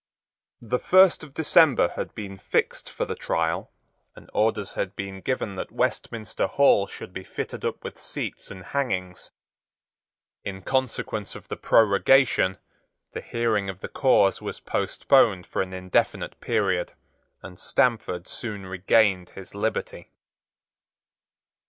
The first of December had been fixed for the trial; and orders had been given that Westminster Hall should be fitted up with seats and hangings. In consequence of the prorogation, the hearing of the cause was postponed for an indefinite period; and Stamford soon regained his liberty.